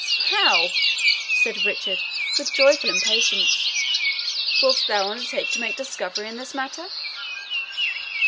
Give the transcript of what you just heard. "How!" said Richard, with joyful impatience. "Wilt thou undertake to make discovery in this matter?"